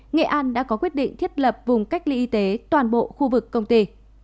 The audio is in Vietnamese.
nghệ an đã có quyết định thiết lập vùng cách ly y tế toàn bộ khu vực công ty